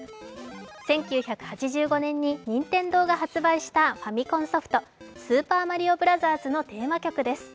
１９８５年に任天堂がり発売したファミコンソフト、「スーパーマリオブラザーズ」のテーマ曲です。